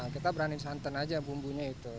kita berani santan aja bumbunya itu